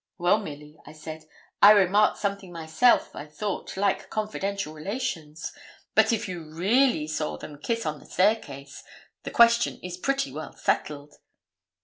'Well, Milly,' I said, 'I remarked something myself, I thought, like confidential relations; but if you really saw them kiss on the staircase, the question is pretty well settled.'